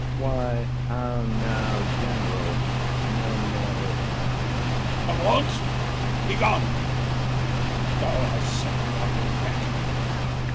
Why, how now, general? No more of that. OTHELLO. Avaunt! be gone! Thou hast set me on the rack.